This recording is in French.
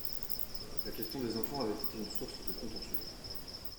La question des enfants avait été une source de contentieux